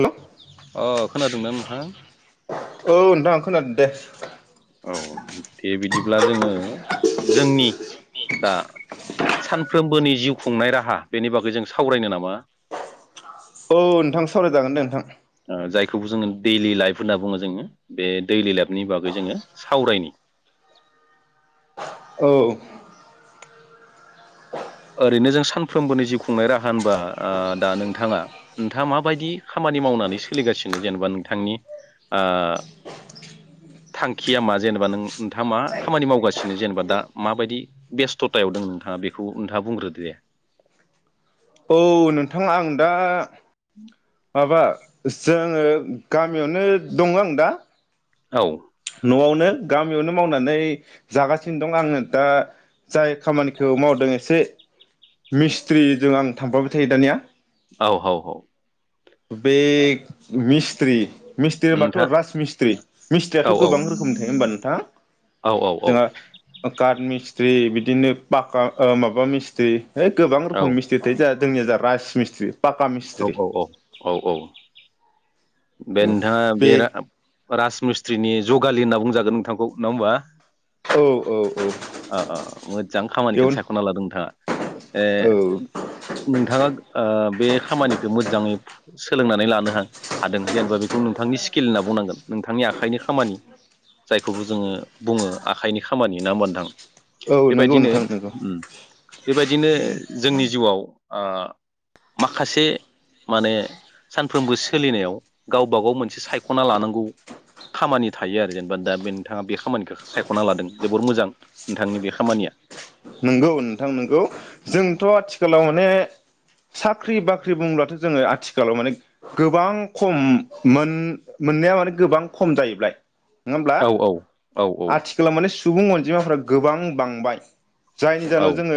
हेल' अ खोनादों ना नोंथां? औ नोंथां खोनादों दे । औ दे बिदिब्ला जोंङो जोंनि दा सानफ्रोमबोनि जिउ खुंनाय राहा बेनि बागै जों सावरायनो नामा औ नोंथां सावरायजागोन दे नोंथां जायखौबो जोंङो दैलि लाइफ होनना बुंङो जोङो बे दैलि लाइफनि बागै जोङो सावरायनि औ ओरैनो जों सानफ्रोमबोनि जिउ खुंनाय राहा होनबा आ दा नोंथाङा नोंथाङा माबायदि खामानि मावनानै सोलिगासिनो जेनेबा नोंथांनि आ थांखिया मा जेनेबा नों नोंथाङा मा खामानि मावगासिनो जेनेबा दा माबायदि बेस्थ'थायाव दंङ नोंथाङा बेखौ नोंथाआ बुंग्रोदोे दे औ नोंथां आं दा माबा जोंङो गामियावनो दंङ आं दा । औ न'आवनो गामियावनो मावनानै जागासिनो दं आंङो दा जाय खामानिखौ मावदों एसे मिस्ट्रिजों आं थांफाबाय थायो दानिया औ औ औ बे मिस्त्रि मिस्त्रि होनबाथ' नोंथां राज मिस्त्रि मिस औ य्रियाथ' गोबां रोखोमनि थायो होनबा नोंथां जोंङा काट मि मिस्ट्रि बिदिनो पाका ओ माबा मिस्ट्रि है गोबां रोखोम मिस्ट्रि थायो जा जोंनि जा राज मिस्ट्रि औ औ औ औ औ बे नोंथाङा बे रा [unintelligible] राजमिस्त्रिनि जगालि होनना बुंजागोन नोंथांखौ नङा होमबा औ औ औ ओ ओ मोजां खामानिखौनो बेयावनो सायख'ना लादों नोंथाङा ए औ नोंथाङा ओ बे खामानिखौ मोजांङै सोलोंनानै लानो हा हादों जेनेबा बेखौ नोंथांनि स्किल होनना बुंनांगोन नोंथांनि आखाइनि खामानि जायखौबो जोङो बुङो आखाइनि खामानि ना होमबा नोंथां औ नंगौ बेबायदिनो नोंथां नंगौ उम बेबायदिनो जोंनि जिउआव ओ माखासे माने सानफ्रोमबो सोलिनायाव गावबा गाव मोनसे सायख'ना लानांगौ खामानि थायो आरो जेनेबा दा बे नोंथाङा बे खामानिखौ सायख'ना लादों जोबोर मोजां नोंथांनि बे खामानिया। नंगौ नोंथां नोंगौ जोंथ' आथिखालाव माने साख्रि बाख्रि बुंब्लाथ' जोङो आथिखालाव माने गोबां खम मोन मोननाया माने गोबां खम जाहैबाय। नङा होमब्ला औ औ औ आथिखालाव माने सुबुं अनजिमाफ्रा गोबां बांबाय जायनि औ जाहोनाव जोङो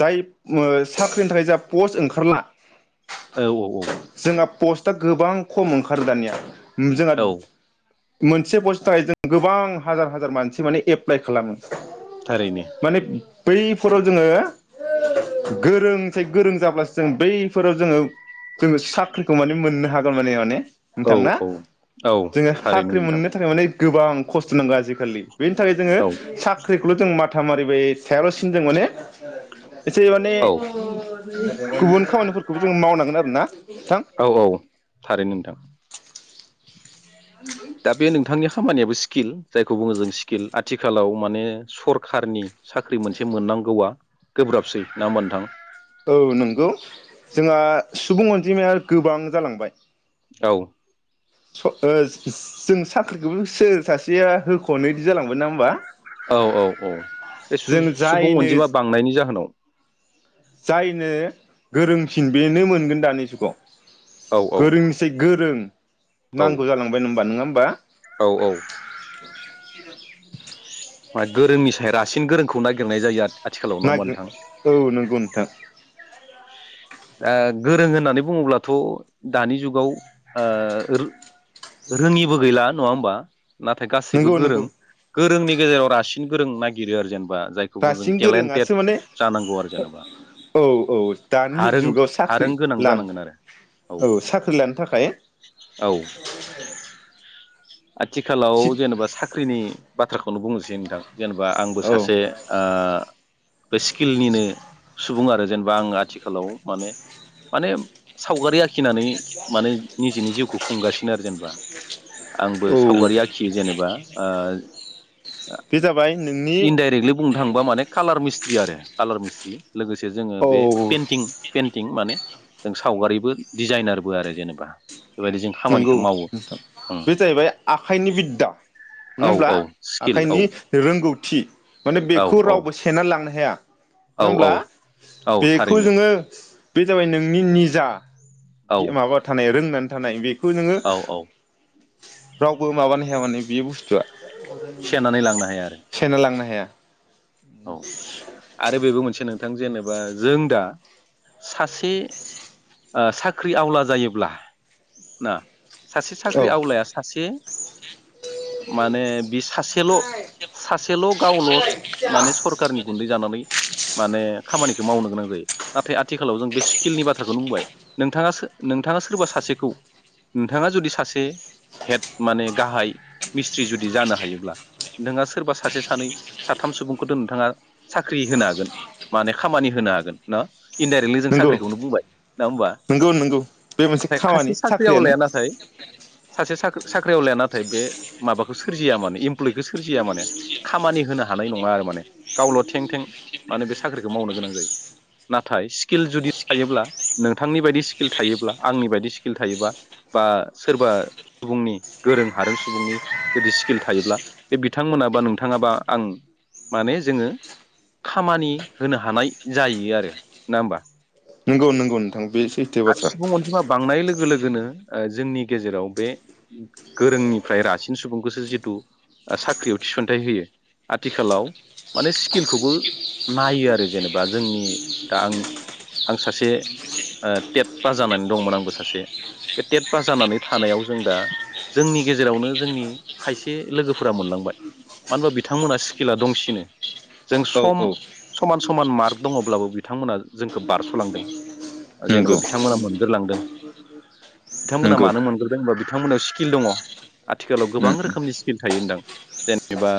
जाय ओम साख्रिनि थाखाय जा पस्ट ओंखारला औ औ औ जोंहा पस्टआ गोबां खम ओंखारो दानिया जोंहा औ मोनसे बस्थनि थाखाय जों गोबां हाजार हाजार मानसि माने एप्लाइ खालामो थारैनो माने बैफोराव जोङो गोरोंसाय गोरों जाब्लासो जों बैफोराव जोङो जोङो साख्रिखौ माने मोननो हा गोन माने औ नोंथां ना औ औ जोङो थारैनो साख्रि नोंथां मोननो थाखाय माने गोबां खस्थ' नांगौ आजिखालि बेनि थाखाय औ जोङो सा माथा मारिबाय थायाल'सिनो जों माने एसे माने औ गुबुन खामानिफोरखौ जों मावनांगोन आरो ना नोंथां औ औ थारै नोंथां [inaudible] दा बे नोंथांनि खामानियाबो स्किल जायखौ बुङो जों स्किल आथिखालाव माने सरखारनि साख्रि मोनसे मोननांगौआ गोब्राबसै नङा होमबा नोंथां औ नंगौ जोंहा सुबुं अनजिमाया गोबां जालांबाय औ स ओ जों साख्रिखौबो सोर सासेया होख'नो इदि जालांबाय नंङा होमबा औ औ औ बे सु जों सुबुं जायनो अनजिमा बांनायनि जाहोनाव जायनो गोरोंसिन बेनो मोनगोन दानि जुगाव औ गोरोंनिसै गोरों औ नांगौ जालांबाय [unintelligible] होनबा नङा बा औ औ [inaudible] मा गोरोंनिफ्राय गोरोंसिननि सायाव रासिन गोरोंखौ नागिरनाय जायो आरो नागिरो औ नंगौ नोंथां। दा गोरों होननानै बुङोब्लाथ' दानि जुगाव ओ रोङिबो गैला नङा होमबा नाथाय गासिबो नंगौ गोरों नंगौ गो जोंनि गेजेराव रासिन गोरों नागिरो आरो जेनेबा जायखौबो जों रासिन टेलेन्टेड गोरोङासो माने जानांगौ आरो जेनेबा औ औ दानि हारों जुगाव हारों साख्रि गोनां लानो जानांगोन आरो औ साख्रि लानो थाखाय औ आथिखालाव जेनेबा साख्रिनि बाथ्राखौ बेखौनो बुंनोसै नोंथां जेनेबा आंबो औ सासे बे स्किलनिनो सुबुं आरो जेनेबा आं आथिखालाव माने माने सावगारि आखि आखिनानै माने निजेनि जिउखौ खुंगासिनो आरो जेनेबा आंबो औ सावगारि आखियो जेनेबा बे जाबाय नोंनि इनडाइरेक्टलि बुंनो थांबा माने कालार मिस्टे मिस्थ्रि आरो कालार मिस्ट्रि। लोगोसे जोङो बे औ पेन्टिं पेइन्टिं माने जों सावगारिबो डिजाइनारबो आरो जेनेबा। बेबायदि जों नंगौ खामानिखौ मावो नोंथां बे जाहैबाय आखाइनि बिद्दा नङा औ होमब्ला औ स्किल आखाइनि औ रोंगौथि माने औ बेखौ औ रावबो सोना लांनो हाया। औ होमब्ला औ औ बेखौ थारैनो जोङो बे जाबाय नोंनि निजा औ माबा नोंथां रोंनानै थानाय बे खौ नोङो औ औ रावबो माबानो हाया मानोे बे बुस्थुआ सेेनानै लांनो हाया आरो सेना लांनो हाया औ [inaudible] आरो बेबो मोनसे नोंथां जेनेबा जों दा सासे ओ साख्रि आवला जायोब्ला ना सासे औ साख्रि आवलाया सासे माने बिस सासेल' सासेल' गावल' माने सरखारनि गुन्दै जानानै माने खामानिखौ मावनो गोनां जायो नाथाय आथिखालाव जों बे स्किलनि बाथ्रा बुंबाय नोंथाङा नोंथाङा सोरबा सासेखौ नोंथाङा जुदि सासे हेद माने गाहाय मिस्थ्रि जुदि जानो हायोब्ला नोङा सोरबा सासे सानै साथाम सुबुंखौथ' नोंथाङा साख्रि होनो हागोन माने खामानि होनो हागोन ना । इनडाइरेक्टलि जों नंगौ साख्रिखौनो बुंबाय । नङा नंगौ नंगौ बे मोनसे होमबा खामानि खासे साख्रि साख्रियानो आवलाया नाथाय सासे साख्रि साख्रियावलाया नाथाय बे माबाखौ सोरजिया माने इमप्लयखौ सोरजिया माने खामानि होनो हानाय नङा आरो माने गावल' थें थें माने बे साख्रिखौ मावनो गोनां जायो नाथाय स्किल जुदि थायोब्ला नोंथांनि बायदि स्किल थायोब्ला आंनि बायदि स्किल थायोबा बा सोरबा सुबुंनि गोरों हारों सुबुंनि जुदि स्किल थायोब्ला बे बिथांमोनाबा नोंथाङाबा आं माने जोङो खामानि होनो हानाय जाहैयो आरो नङा होमबा ।। नंगौ नंगौ नोंथां बे सैथो बाथ्रा । अनजिमा बांनाय लोगो लोगोनो ओ जोंनि गेजेराव बे गोरोंनिफ्राय रासिन सुबुंखौसो जिथु साख्रियाव थिसनथाइ होयो आथिखालाव माने स्किलखौबो नायो आरो जेनेबा जोंनि दा आं आं सासे ओ टेट पास जानानै दंमोन आंबो सासे बे टेट पास जानानै थानायाव जों दा जोंनि गेजेरावनो जोंनि खायसे लोगोफोरा मोनलांबाय मानो होनबा बिथांमोना स्किला दंसिनो । जों औ सम औ समान समान मार्क दङब्लाबो बिथांमोना जोंखौ बारस'लांदों नंगौ जेनेबा बिथांमोना मोनग्रोलांदो बिथांमोना नंगौ मानो मोनग्रोदों होनबा बि बिथांमोनाव स्किल दङ आथिखालाव गोबां रोखोमनि स्किल थायो होनदां जेनेबा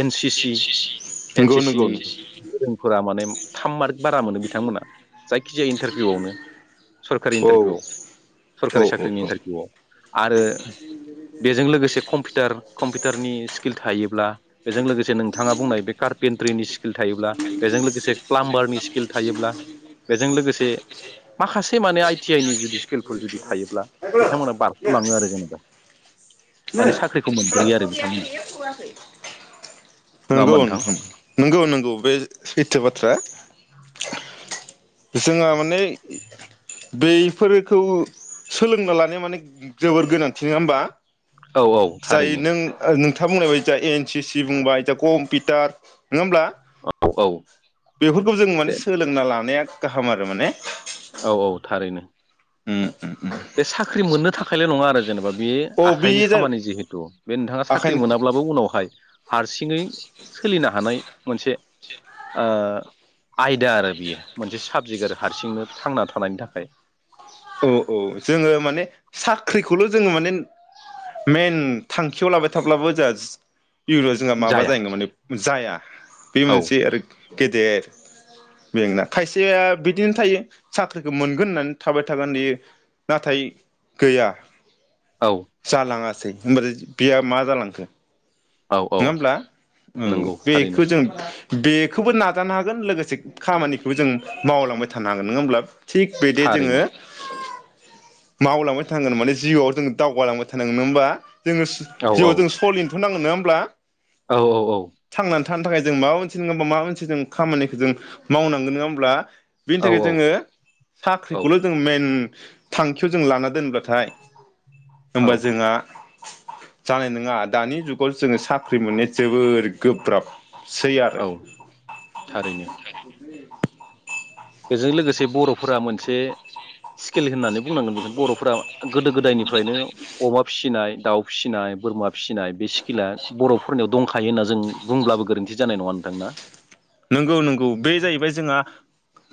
एन सि सि एन नंगौ सि सि नंगौ नंगौ गोरोंफोरा माने थाम मार्क बारा मोनो बिथांमोना जाय जायखिजाया इन्टारभिउआवनो सरकारि औ इन्टारभिउआव औ सरकारि औ साख्रिनि औ इन्टारभिउआव आरो बेजों लोगोसे कम्पिउटार कम्पिउटारनि स्किल थायोब्ला बेजों लोगोसे नोंथाङा बुंनाय बे कार्पेन्ट्रिनि स्किल थायोब्ला बेजों लोगोसे प्लाम्बारनि स्किल थायोब्ला बेजों लोगोसे माखासे माने आइटि आइ नि जुदि स्किलफोर जुदि थायोब्ला बिथांमोना बारग'लाङो आरो जेनेबा माने साख्रिखौ मोनग्रोयो आरो बिथांमोना । नंगौ नोंथां नंगौ नंगौ बे सैथो बाथ्रा । जोंहा माने बैफोरखौ सोलोंना लानाया माने जोबोर गोनांथि नोङा होमबा औ औ । जाय थारैनो नों-नों थां बुंनाय बायदि एन सि सि बुंबाय जा कमपिटार नोङा होमब्ला औ बेफोरखौ जों माने दे सोलोंना लानाया गाहाम आरो माने औ औ थारैनो उम उम बे साख्रि मोननो थाखायल' नङा आरो जेनेबा बे अ बे आखाइनि जाबाय खामानि जिहेथु बे नोंथाङा साख्रि आखायनो मोनाब्लाबो उनावहाय हारसिङै सोलिनो हानाय मोनसे ओ आयदा आरो बियो मोनसे साबजेक्ट आरो । हारसिंनो थांना थानायनि थाखाय औ औ जोङो माने साख्रिखौल' जोङो माने मेन थांखियाव लाबाय थाब्लाबो जोंहा इउनाव जोंहा माबा जाया जायोना माने जाया [inaudible] बे औ मोनसे आरो गेदेर बेंना खायसेया बिदिनो थायो साख्रिखौ मोनगोन होननानै थाबाय थागोन इयो नाथाय गैया औ जालाङा सै होनबाल बेया मा जालांखो औ औ नङा होमब्ला औ नंगौ थारैनो बेखौ जों बेखौबो नाजानो हागोन लोगोसे खामानिखौबो जों मावलांबाय थानो हागोन नङा होमब्ला । थिग बेदि जोङो थारैनो मावलांबाय थानांगोन माने जिउआव जों दावगालांबाय थानांगोन नङा होमबा? जोङो औ औ जिउआव जों सलिनोथ' नांगौ । नोङा होमब्ला? औ औ औ । थांनानै थानो थाखाय जों माबा मोनसे नङा हा माबा मोनसे जों खामानिखौ जों मावनांगोन नोङा होमब्ला? बिनि औ थाखाय जोङो औ साख्रिखौल' जों मेन थांखियाव जों लाना दोनब्लाथाय होमबा जोंहा जानाय नङा दानि जुगाव जोङो सा साख्रि मोननाया जोबोर गोब्राब । सेै आरो औ [inaudible] थारैनो बेजों लोगोसे बर'फोरा मोनसे स्किल होननानै बुंनांगोन बोगोन बर'फ्रा गोदो गोदायनिफ्रायनो अमा फिसिनाय दाउ फिसिनाय बोरमा फिसिनाय बे स्किला बर'फोरनियाव दंखायो होन्ना जों बुंब्लाबो गोरोन्थि जानाय नङा । थांना नंगौ नंगौ बे जाहैबाय जोंहा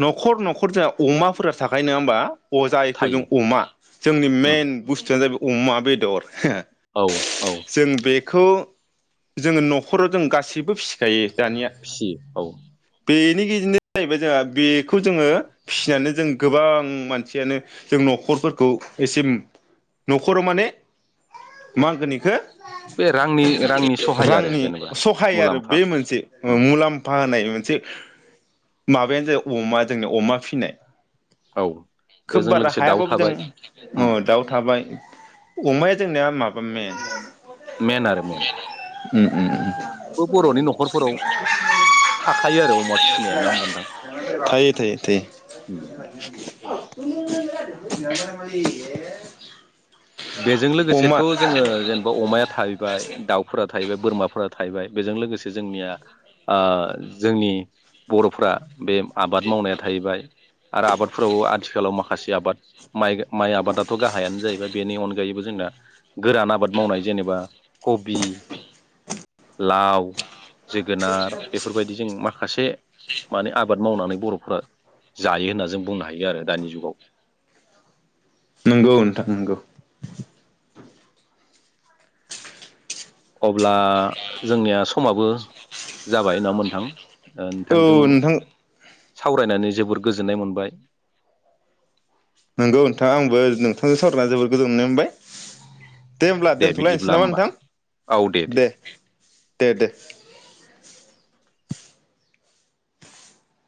न'खर न'खर जोंहा अमाफोरा थाखायो नङा होमबा? अ जायखौ जों थायो अमा जोंनि उम मेन बुस्थुनो जाहैबाय अमा बेदर औ औ जों बे बेखौ जोङो न'खराव जों गासैबो फिसिखायो। दानिया फिसि औ। बेनि गेजेरनो जाहैबाय जोंहा बेखौ जोङो फिसिनानै जों गोबां मानसियानो जों न'खरफोरखौ एसे न'खराव माने मा होनगो इखो बे रांनि रांनि [unintelligible] सहाय आरो रांनि जेनेबा सहाय आरो मुलाम्फा बे मोनसे उम मुलाम फाहानाय मोनसे माबायानो जाबाय अमा जोंनि अमा फिनाय। औ खोब बेजों बारा लोगोसे दाउ हायाबाबो जों थाबाय ओ उम दाउ थाबाय। अमाया जोंनिया माबा मे मेन‌ आरो‌ मेन। उम उम बर'नि उम। न'खरफोराव [inaudible] थाखायो आरो अमा फिसिनाय ना होमबा नोंथां। थायो थायो थायो [unintelligible] बेजों लोगोसेथ' अमा जोङो जेनेबा अमाया थाहैबाय दाउफोरा थाहैबाय बोरमाफोरा थाहैबाय। बेजों लोगोसे जोंनिया ओ जोंनि बर'फ्रा बे आबाद मावनाया थाहैबाय आरो आबादफोरावबो आथिखालाव माखा खासि आबाद माइ माइ आबादाथ' गाहायानो जाहैबाय। अनगायैबो जोंना गोरान आबाद मावनाय जेनेबा कबि लाउ जोगोनार बेफोरबायदि जों माखासे माने आबाद मावनानै बर'फ्रा जायो होनना जों बुंनो हायो आरो दानि जुगाव। नंगौ नोंथां नंगौ। अब्ला जोंनिया समाबो जाबाय ना मोनथां? ओ औ नोंथांदों नोंथां सावरायनानै जोबोर गोजोननाय मोनबाय। नंगौ नोंथां आंबो नोंथांजों सावरायना जोबोद गोजोननाय मोनबाय। दे होमब्ला बिदिब्ला दोन्थ'लायनोसै नामा होमबा नोंथां दे दे दे।